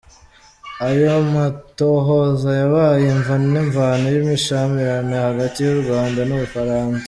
Ayo matohoza yabaye imvo n'imvano y'imishamirano hagati y'Urwanda n'Ubufaransa.